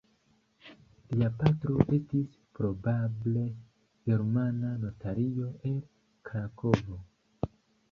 Lia patro estis probable germana notario el Krakovo.